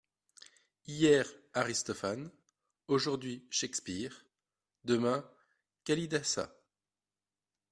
Hier, Aristophane ; aujourd'hui, Shakespeare : demain, Kalidasa.